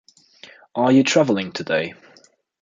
Are you travelling today?